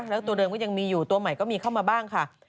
แล้วตัวเดิมก็ยังมีอยู่ตัวใหม่ก็มีเข้ามาบ้างค่ะ